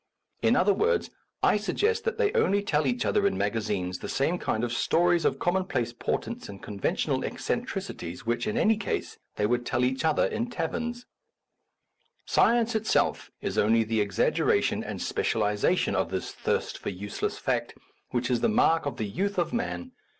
In other words, I suggest that they only tell each other in magazines the same kind of stories of commonplace por tents and conventional eccentricities which, in any case, they would tell each other in A Defence of Useful Information taverns. Science itself is only the exag geration and specialization of this thirst for useless fact, which is the mark of the youth of man.